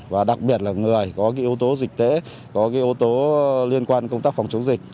và đặc biệt là người có cái ưu tố dịch tễ có cái ưu tố liên quan công tác phòng chống dịch